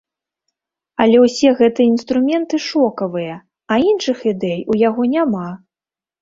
Але ўсе гэтыя інструменты шокавыя, а іншых ідэй у яго няма.